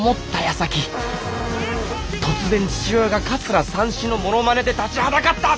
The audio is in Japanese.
やさき突然父親が桂三枝のものまねで立ちはだかった！